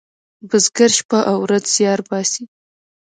بزگر شپه او ورځ زیار باسي.